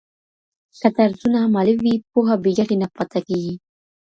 که درسونه عملي وي، پوهه بې ګټې نه پاته کېږي.